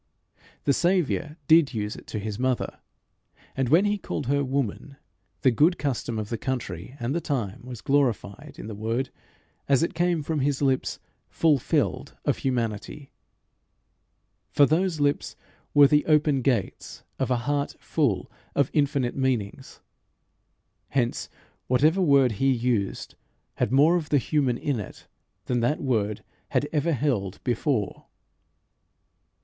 The Saviour did use it to his mother; and when he called her woman, the good custom of the country and the time was glorified in the word as it came from his lips fulfilled, of humanity; for those lips were the open gates of a heart full of infinite meanings. Hence whatever word he used had more of the human in it than that word had ever held before.